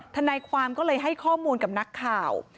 ทนายความก็เลยให้ข้อมูลกับนักข่าว